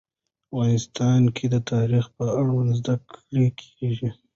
افغانستان کې د تاریخ په اړه زده کړه کېږي.